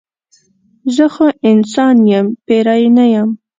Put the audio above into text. زه خو انسان یم پیری نه یم.